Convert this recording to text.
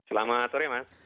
selamat sore mas